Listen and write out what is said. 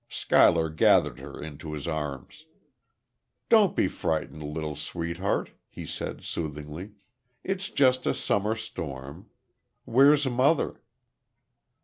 Schuyler gathered her into his arms. "Don't be frightened, little sweetheart," he said, soothingly. "It's just a summer storm.... Where's mother?"